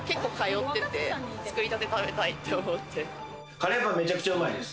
カレーパン、めちゃくちゃうまいです。